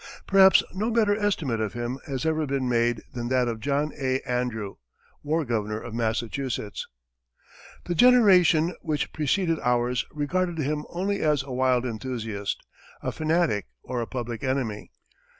Perhaps no better estimate of him has ever been made than that of John A. Andrew, war governor of Massachusetts: "The generation which preceded ours regarded him only as a wild enthusiast, a fanatic, or a public enemy.